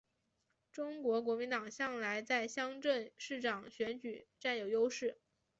中国国民党向来在乡镇市长选举占有优势。